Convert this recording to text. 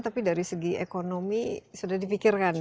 tapi dari segi ekonomi sudah dipikirkan ya